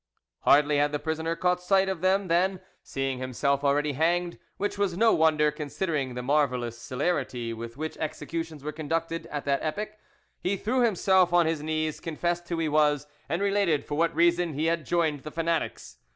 Hardly had the prisoner caught sight of them than, seeing himself already hanged, which was no wonder considering the marvellous celerity with which executions were conducted at that epoch, he threw himself on his knees, confessed who he was, and related for what reason he had joined the fanatics.